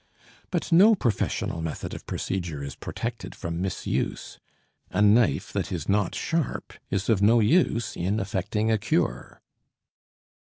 But no professional method of procedure is protected from misuse; a knife that is not sharp is of no use in effecting a cure.